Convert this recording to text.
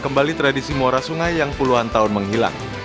kembali tradisi muara sungai yang puluhan tahun menghilang